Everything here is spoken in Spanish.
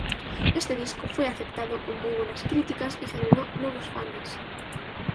Este disco fue aceptado con muy buenas críticas y generó nuevos fanes.